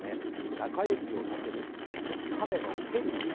「中指を立てる亀のテリー」